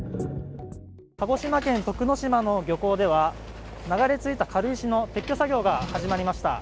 鹿児島県徳之島の漁港では、流れ着いた軽石の撤去作業が始まりました。